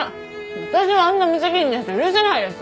私はあんな無責任な人許せないです。